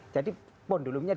jadi pondolomnya itu